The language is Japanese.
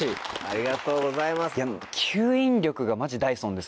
ありがとうございます。